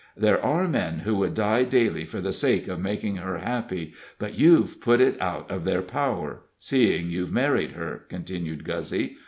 "There are men who would die daily for the sake of making her happy, but you've put it out of their power, seeing you've married her," continued Guzzy.